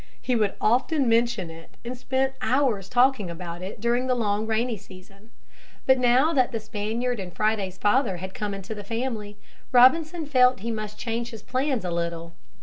He would often mention it and spent hours talking about it during the long rainy season. But now that the Spaniard and Friday's father had come into the family, Robinson felt he must change his plans a little.